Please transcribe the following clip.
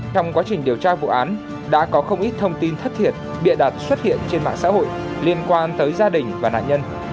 trong quá trình điều tra vụ án đã có không ít thông tin thất thiệt bịa đặt xuất hiện trên mạng xã hội liên quan tới gia đình và nạn nhân